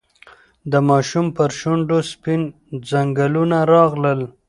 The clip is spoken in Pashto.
د ماشوم پر شونډو سپین ځگونه راغلل.